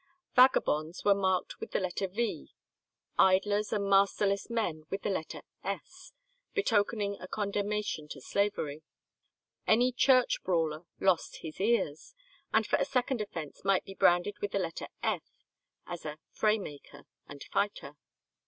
Vagabonds were marked with the letter V, idlers and masterless men with the letter S, betokening a condemnation to slavery; any church brawler lost his ears, and for a second offence might be branded with the letter F, as a "fraymaker" and fighter.